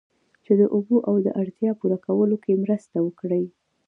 چې د اوبو د اړتیاوو پوره کولو کې مرسته وکړي